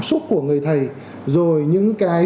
xúc của người thầy rồi những cái